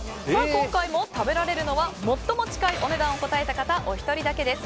今回も食べられるのは最も近いお値段を答えた方お一人だけです。